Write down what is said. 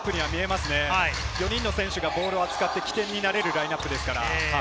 ４人の選手がボールを扱って起点をつくれるラインナップですから。